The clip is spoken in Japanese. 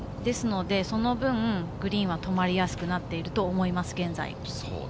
その分、グリーンは止まりやすくなっていると思います、現在。